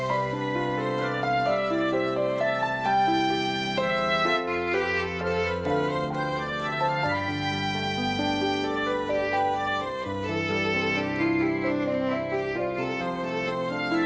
aku ada residents menyandar tak uwang aku saja dong